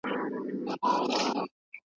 خدایه سترګي مي ړندې ژبه ګونګۍ کړې `